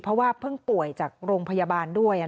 เพราะว่าเพิ่งป่วยจากโรงพยาบาลด้วย